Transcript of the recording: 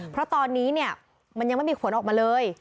เพราะตอนนี้เนี่ยมันยังไม่มีผลออกมาเลย